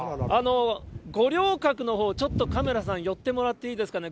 五稜郭のほう、ちょっとカメラさん、寄ってもらっていいですかね。